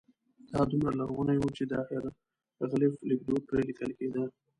دا دومره لرغونی و چې د هېروغلیف لیکدود پرې لیکل کېده.